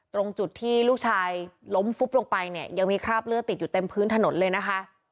ตรงจุดที่ลูกชายล้มฟุบลงไปเนี่ยยังมีคราบเลือดติดอยู่เต็มพื้นถนนเลยนะคะ